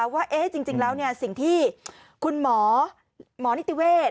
ว่าจริงแล้วสิ่งที่คุณหมอหมอนิติเวศ